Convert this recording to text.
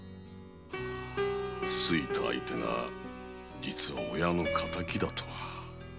好いた相手が実は親の敵だとは。